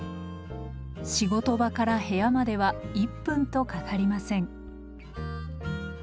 仕事場から部屋までは１分とかかりません。